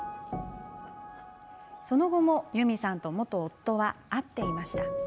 その後もユミさんと元夫は会っていました。